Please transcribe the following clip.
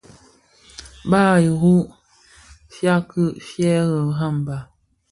Bàb i iru fyàbki fyëë rembàg.